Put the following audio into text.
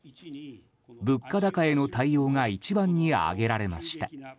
物価高への対応が一番に挙げられました。